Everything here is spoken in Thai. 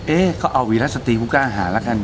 เอ๊ะก็เอาวิลักษณ์สตรีผู้กล้าอาหาร